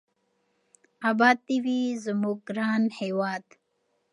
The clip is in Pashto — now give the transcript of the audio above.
اباد دې وي زموږ ګران هېواد.